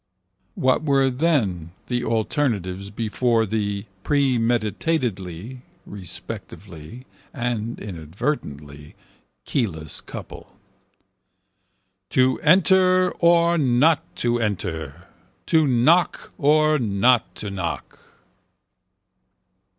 What were then the alternatives before the, premeditatedly (respectively) and inadvertently, keyless couple? To enter or not to enter. To knock or not to knock.